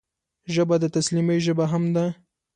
ژبه د تسلیمۍ ژبه هم ده